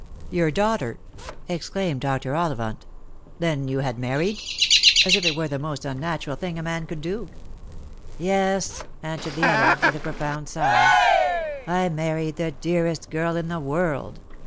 " Tour daughter! " exclaimed Dr. Ollivant. " Then you had married ?"— as if it were the most unnatural thing a man could do. " Yes," answered the other with a profound sigh, " I married the dearest girl in the world.